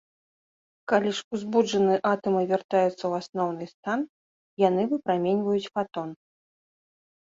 Калі ж узбуджаныя атамы вяртаюцца ў асноўны стан, яны выпраменьваюць фатон.